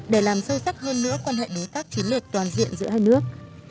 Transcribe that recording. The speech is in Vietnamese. để làm sâu sắc hơn nữa quan hệ đối tác chiến lược toàn diện giữa hai nước